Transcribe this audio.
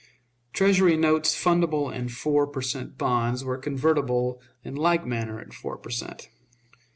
Treasury notes fundable in four per cent. bonds were convertible in like manner at four per cent.